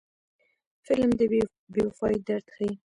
فلم د بې وفایۍ درد ښيي